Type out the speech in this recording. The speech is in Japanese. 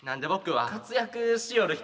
活躍しよる人？